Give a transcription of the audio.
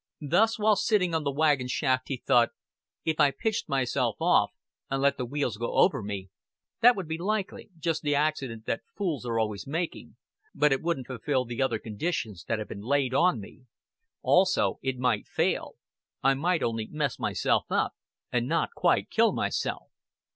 Thus while sitting on the wagon shaft he thought: "If I pitched myself off and let the wheels go over me, that would be likely, just the accident that fools are always making, but it wouldn't fulfil the other conditions that have been laid on me. Also it might fail. I might only mess myself up, and not quite kill myself."